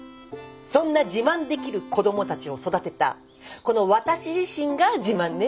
そんな自慢できる子供たちを育てたこの私自身が自慢ね。